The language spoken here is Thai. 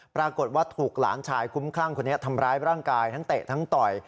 ปรากฏว่าถูกหลานชายคุ้มคลั่งคนนี้ทำร้ายร่างกายทั้งเตะทั้งต่อย